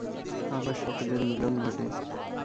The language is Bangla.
আবার সকলের মিলন ঘটে।